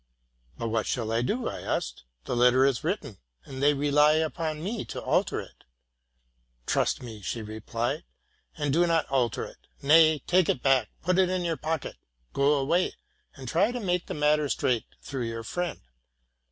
'?—'* But what shall I do?'' I asked :'* the letter is written, and they rely upon me to alter it.'' —'+ Trust me,' she replied, '+ and do not alter it; nay, take it back, put it in your pocket, go away, and try to make the matter straight through your friend.